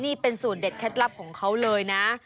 นี่เป็นสูตรเด็ดเคล็ดลับของเขาเลยนะ